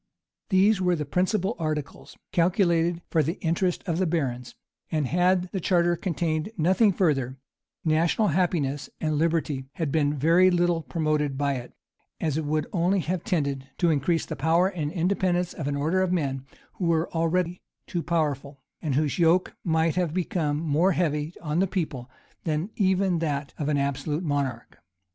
These were the principal articles, calculated for the interest of the barons; and had the charter contained nothing further, national happiness and liberty had been very little promoted by it, as it would only have tended to increase the power and independence of an order of men who were already too powerful, and whose yoke might have become more heavy on the people than even that of an absolute monarch.